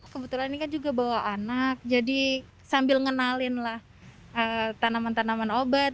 kebetulan ini kan juga bawa anak jadi sambil ngenalin lah tanaman tanaman obat